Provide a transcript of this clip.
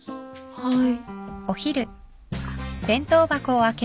はい。